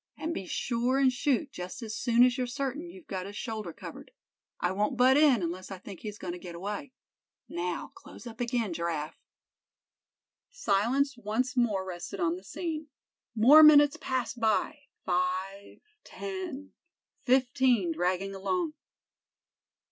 And be sure and shoot just as soon as you're certain you've got his shoulder covered. I won't butt in unless I think he's going to get away. Now, close up again, Giraffe." Silence once more rested on the scene. More minutes passed by—five, ten, fifteen dragging along.